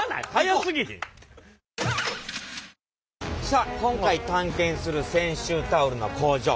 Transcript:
さあ今回探検する泉州タオルの工場